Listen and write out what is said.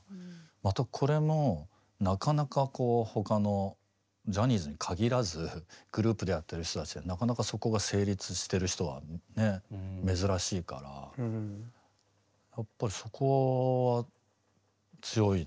またこれもなかなかこう他のジャニーズに限らずグループでやってる人たちがなかなかそこが成立してる人はね珍しいからやっぱりそこは強いんでしょうね何か。